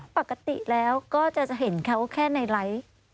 ปกติแล้วก็จะเห็นเขาแค่ในไลฟ์